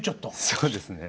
そうですね。